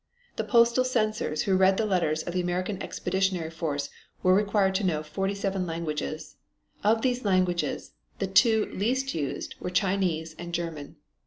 The postal censors who read the letters of the American Expeditionary Force were required to know forty seven languages! Of these languages, the two least used were Chinese and German.